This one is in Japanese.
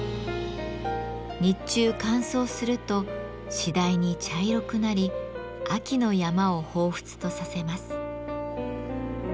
日中乾燥するとしだいに茶色くなり秋の山をほうふつとさせます。